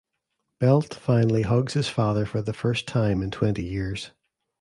Belt finally hugs his father for the first time in twenty years.